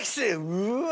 「うわ！